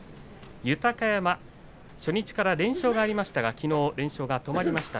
豊山、初日から連勝がありましたが、きのう連勝が止まりました。